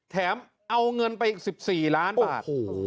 แถมเอาเงินไปอีก๑๔ล้านบาท